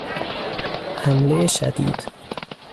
حملهی شدید